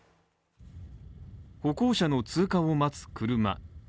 歩行者の通過を待つ車。